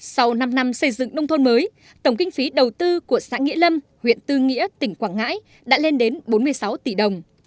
sau năm năm xây dựng nông thôn mới tổng kinh phí đầu tư của xã nghĩa lâm huyện tư nghĩa tỉnh quảng ngãi đã lên đến bốn mươi sáu tỷ đồng